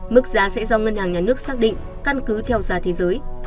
mức giá sẽ do ngân hàng nhà nước xác định căn cứ theo giá thế giới